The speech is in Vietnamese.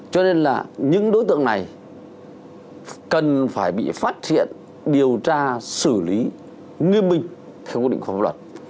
cho nên là những đối tượng này cần phải bị phát hiện điều tra xử lý nghiêm minh theo quy định của pháp luật